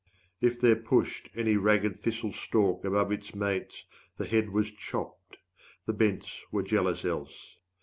If there pushed any ragged thistle stalk Above its mates, the head was chopped; the bents Were jealous else.